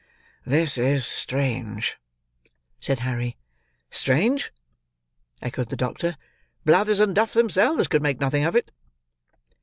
"This is strange!" said Harry. "Strange?" echoed the doctor. "Blathers and Duff, themselves, could make nothing of it."